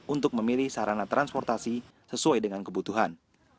untuk memilih sarana transportasi sesuai dengan kebutuhan